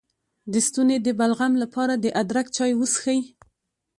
د ستوني د بلغم لپاره د ادرک چای وڅښئ